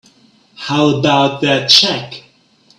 How about that check?